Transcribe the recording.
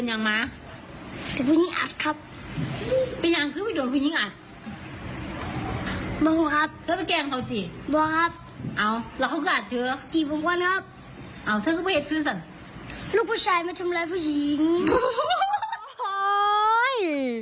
อ้าวเธอก็เป็นเหตุผู้ชาย